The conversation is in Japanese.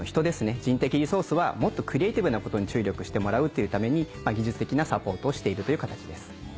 人的リソースはもっとクリエーティブなことに注力してもらうっていうために技術的なサポートをしているという形です。